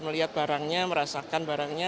melihat barangnya merasakan barangnya